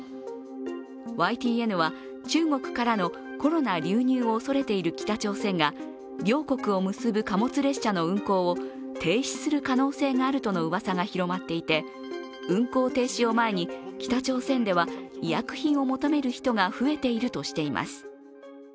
ＹＴＮは中国からのコロナ流入を恐れている北朝鮮が両国を結ぶ貨物列車の運行を停止する可能性があるとのうわさが広まっていて運行停止を前に北朝鮮では医薬品を求める人が増えているとしています。